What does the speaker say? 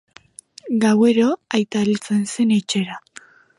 Gauero, aita heltzen zen etxera.